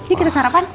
ini kita sarapan